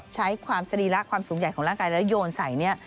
ใช้ความสรีระความสูงใหญ่ของร่างกายแล้วโยนใส่เนี่ย